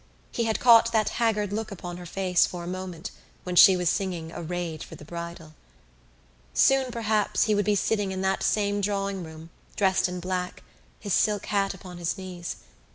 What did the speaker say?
He had caught that haggard look upon her face for a moment when she was singing Arrayed for the Bridal. Soon, perhaps, he would be sitting in that same drawing room, dressed in black, his silk hat on his knees.